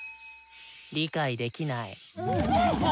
理解できない。